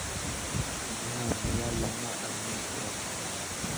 Nu, mia juna amiko!